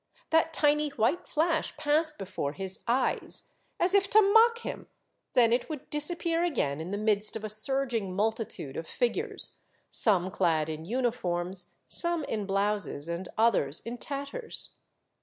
That tiny white flash passed before his eyes, as if to 184 Monday Tales, mock him, then it would disappear again in the midst of a surging multitude of figures, some clad in uniforms, some in blouses, and others in tatters.